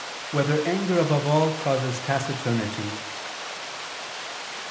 4] Whether Anger Above All Causes Taciturnity?